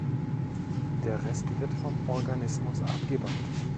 Der Rest wird vom Organismus abgebaut.